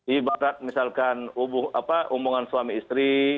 ibarat misalkan omongan suami istri